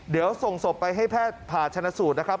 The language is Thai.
เดี๋ยวส่งศพไปให้แพทย์ผ่าชนะสูตรนะครับ